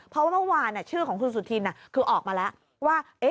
เพราะว่าเมื่อวานชื่อของคุณสุธินคือออกมาแล้วว่า